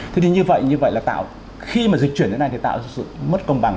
thế thì như vậy là tạo khi mà dịch chuyển thế này thì tạo ra sự mất công bằng